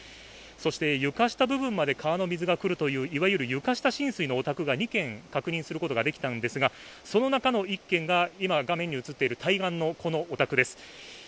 そして床下部分まで川の水がくるという、いわゆる床下浸水のお宅が２軒確認することができたんですがその中の１軒今、画面に映っている対岸のお宅です。